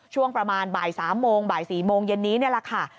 ช่วงประมาณบ่าย๓โมงบ่าย๔โมงเย็นนี้นี่แหละค่ะ